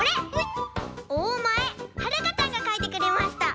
おおまえはるかちゃんがかいてくれました。